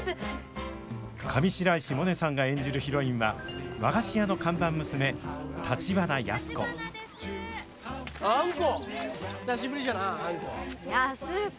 上白石萌音さんが演じるヒロインは和菓子屋の看板娘橘安子久しぶりじゃなあんこ。